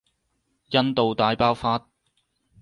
印度大爆發